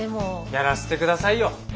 やらせて下さいよ。